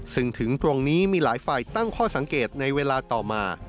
ซึ่งถึงตรงนี้มีหลายฝ่ายตั้งข้อสังเกตในเวลาต่อมา